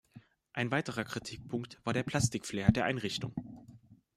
Ein weiterer Kritikpunkt war der Plastik-Flair der Einrichtung.